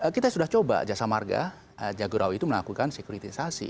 kita sudah coba jasa marga jagorawi itu melakukan sekuritisasi